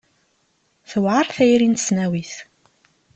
Tewɛer tayri n tesnawit.